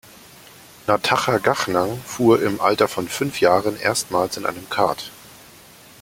Natacha Gachnang fuhr im Alter von fünf Jahren erstmals in einem Kart.